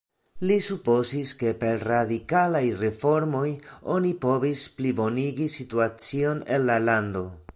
Li supozis, ke per radikalaj reformoj oni povis plibonigi situacion en la lando.